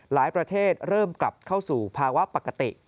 ประเทศเริ่มกลับเข้าสู่ภาวะปกติ